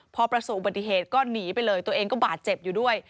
พอประสบอุบัติเหตุก็หนีไปเลยตัวเองก็บาดเจ็บอยู่ด้วย